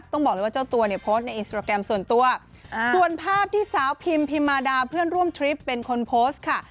ต้องบอกเลยว่าเจ้าตัวเนี่ยโพสต์ในอินสตราแกรมส่วนตัวส่วนภาพที่สาวพิมพิมมาดาเพื่อนร่วมทริปเป็นคนโพสต์ค่ะ